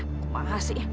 aku marah sih